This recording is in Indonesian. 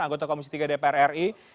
anggota komisi tiga dpr ri